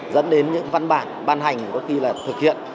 dẫn đến những văn bản ban hành có khi là thực hiện